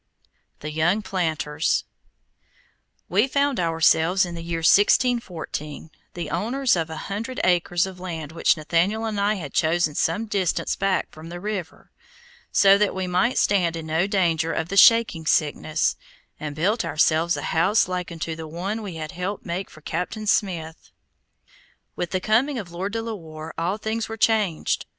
THE YOUNG PLANTERS We found ourselves, in the year 1614, the owners of an hundred acres of land which Nathaniel and I had chosen some distance back from the river, so that we might stand in no danger of the shaking sickness, and built ourselves a house like unto the one we had helped make for Captain Smith. With the coming of Lord De la Warr all things were changed.